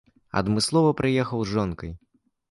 Адмыслова прыехаў з жонкай.